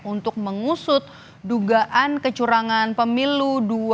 untuk mengusut dugaan kecurangan pemilu dua ribu dua puluh empat